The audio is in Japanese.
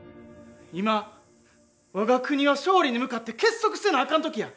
今我が国は勝利に向かって結束せなあかん時や！